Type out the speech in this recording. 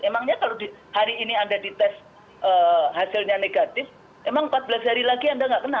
emangnya kalau hari ini anda dites hasilnya negatif emang empat belas hari lagi anda nggak kena